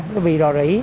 nó bị rò rỉ